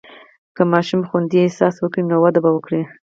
که ماشوم خوندي احساس وکړي، نو وده به وکړي.